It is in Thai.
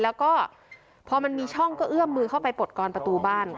แล้วก็พอมันมีช่องก็เอื้อมมือเข้าไปปลดกรประตูบ้าน